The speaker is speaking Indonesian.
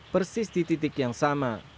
persis di titik yang sama